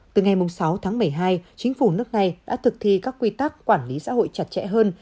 từ ngày sáu tháng một mươi hai chính phủ nước này đã thực thi các quy tắc quản lý xã hội chặt chẽ hơn